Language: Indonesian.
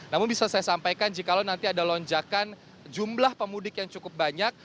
namun bisa saya sampaikan jikalau nanti ada lonjakan jumlah pemudik yang cukup banyak